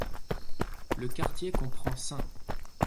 Le quartier comprend St.